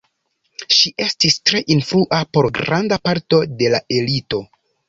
Ŝi estis tre influa por granda parto de la elito.